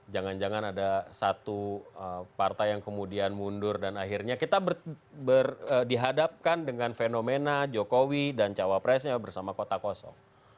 jangan jangan ada satu partai yang kemudian mundur dan akhirnya kita dihadapkan dengan fenomena jokowi dan cawapresnya bersama kota kosong